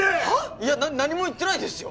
いや何も言ってないですよ！